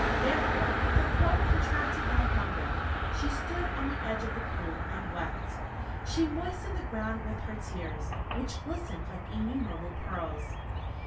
Therefore, with a throat contracted by hunger, she stood on the edge of the Pool and wept; she moistened the ground with her tears, which glistened like innumerable pearls.